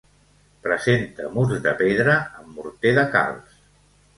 Presenta murs de pedra amb morter de calç.